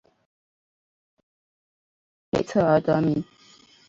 因位于旧鼓楼大街北侧而得名。